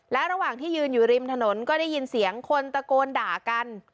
และระหว่างที่ยืนอยู่ริมถนนก็ได้ยินเสียงคนตะโกนด่ากัน